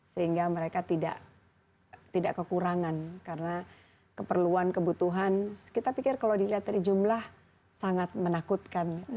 sehingga mereka tidak kekurangan karena keperluan kebutuhan kita pikir kalau dilihat dari jumlah sangat menakutkan